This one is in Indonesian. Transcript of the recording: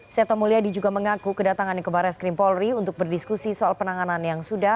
seto mulyadi juga mengaku kedatangan ke barreskrim polri untuk berdiskusi soal penanganan yang sudah